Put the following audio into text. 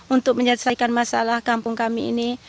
untuk menyelesaikan masalah kampung kami ini